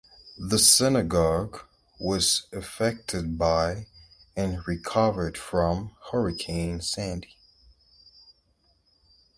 The synagogue was affected by and recovered from Hurricane Sandy.